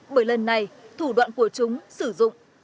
bởi lần này thủ đoạn của chúng sử dụng